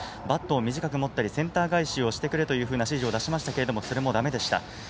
バットを短く持ったりセンター返しをしてくれと指示を出しましたがそれもだめでした。